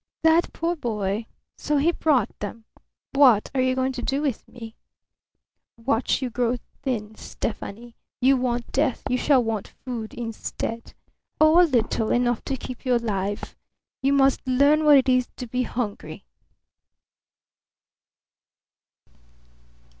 "That poor boy! So he brought them! What are you going to do with me?" "Watch you grow thin, Stefani. You want death; you shall want food instead. Oh, a little; enough to keep you alive. You must learn what it is to be hungry."